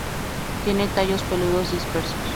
Tiene tallos peludos dispersos.